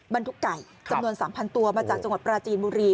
บรรทุกไก่จำนวน๓๐๐ตัวมาจากจังหวัดปราจีนบุรี